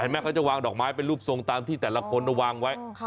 เขาจะวางดอกไม้เป็นรูปทรงตามที่แต่ละคนวางไว้